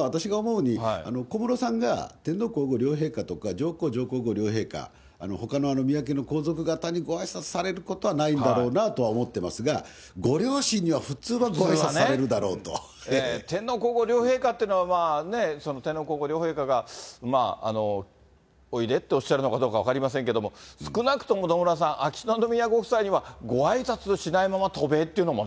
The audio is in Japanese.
私が思うに、小室さんが天皇皇后両陛下とか、上皇、上皇后両陛下、ほかの宮家の皇族方にごあいさつされることはないんだろうと思っていますが、ご両親には普通はご天皇皇后両陛下っていうのは、天皇皇后両陛下が、おいでっておっしゃるのか、分かりませんけれども、少なくとも、野村さん、秋篠宮ご夫妻には、ごあいさつしないまま渡米っていうのもね。